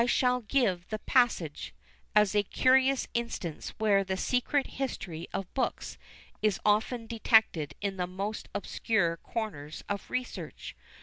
I shall give the passage, as a curious instance where the secret history of books is often detected in the most obscure corners of research.